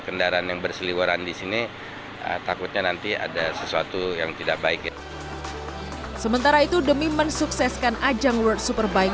kita lakukan sterilisasi supaya lebih aman dan lebih tertib ya karena di dalam pedok sekarang cukup banyak